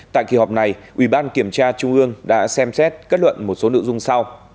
tại kỳ họp này ủy ban kiểm tra trung ương đã xem xét kết luận một số nội dung sau